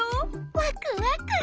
ワクワク！